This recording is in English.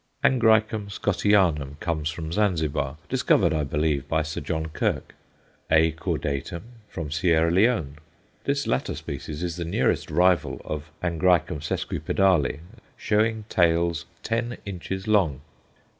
A. Scottianum comes from Zanzibar, discovered, I believe, by Sir John Kirk; A. caudatum, from Sierra Leone. This latter species is the nearest rival of A. sesquipedale, showing "tails" ten inches long.